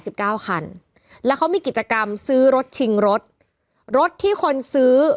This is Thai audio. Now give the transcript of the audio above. สิบเก้าคันแล้วเขามีกิจกรรมซื้อรถชิงรถรถที่คนซื้อ